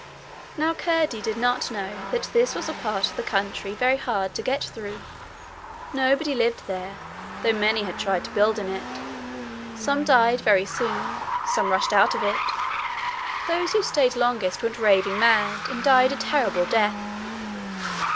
Now Curdie did not know that this was a part of the country very hard to get through. Nobody lived there, though many had tried to build in it. Some died very soon. Some rushed out of it. Those who stayed longest went raving mad, and died a terrible death.